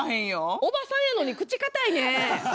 おばさんなのに口が堅いね。